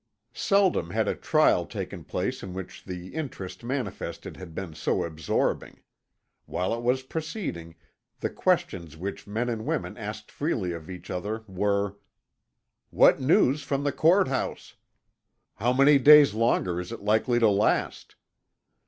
Seldom had a trial taken place in which the interest manifested had been so absorbing. While it was proceeding, the questions which men and women asked freely of each other were: "What news from the court house?" "How many days longer is it likely to last?"